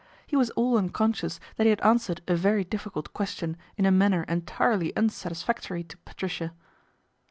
He was all unconscious that ie had answered a very difficult question in a nanner entirely unsatisfactory to Patricia.